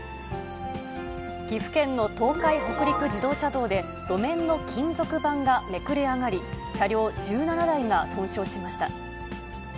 岐阜県の東海北陸自動車道で、路面の金属板がめくれ上がり、車両１７台が損傷しました。